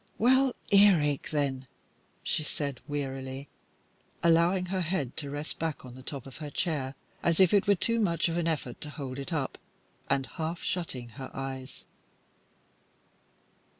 "Well, earache, then?" she said, wearily, allowing her head to rest back on the top of her chair, as if it were too much of an effort to hold it up, and half shutting her eyes.